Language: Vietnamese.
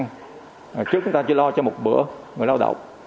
trước chúng ta chỉ lo cho một bữa người lao động